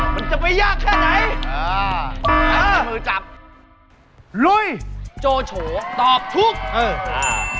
มันจะไม่ยากแค่ไหนอ่าเออมือจับลุยโจโฉตอบทุกข์เอออ่า